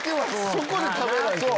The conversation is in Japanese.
そこで食べないとね。